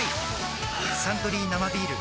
「サントリー生ビール」